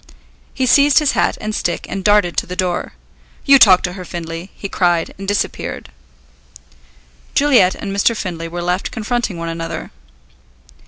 He seized his hat and stick and darted to the door. "You talk to her, Findlay!" he cried, and disappeared. Juliet and Mr. Findlay were left confronting one another.